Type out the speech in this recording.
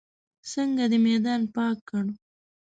څنګه دې میدان پاک کړ.